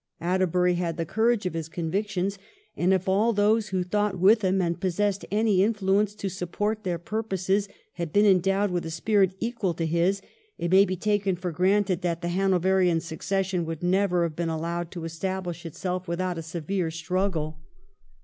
Atterbury had the courage of his convictions, and if all those who thought with him and possessed any influence to support their purposes had been endowed with a spirit equal to his, it may be taken for granted that the Hanoverian succession would never have been allowed to estabUsh itself without a severe struggle.